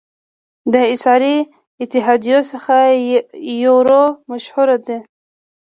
د اسعاري اتحادیو څخه یورو مشهوره ده.